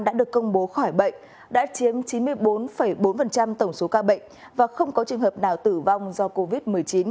đã được công bố khỏi bệnh đã chiếm chín mươi bốn bốn tổng số ca bệnh và không có trường hợp nào tử vong do covid một mươi chín